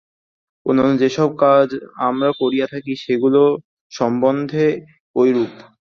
অন্যান্য যে-সব কাজ আমরা করিয়া থাকি, সেগুলি সম্বন্ধেও ঐরূপ।